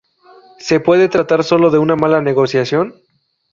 ¿se puede tratar solo de una mala negociación?